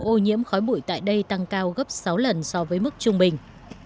ô nhiễm khói bụi tại đây tăng cao gấp sáu lần so với mức trung bình